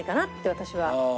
私は。